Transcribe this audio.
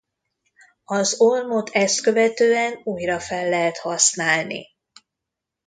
Az ólmot ezt követően újra fel lehet használni.